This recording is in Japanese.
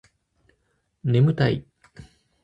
ねむたい